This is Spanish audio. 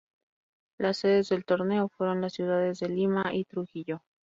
Las sedes del torneo fueron las ciudades de Lima y Trujillo.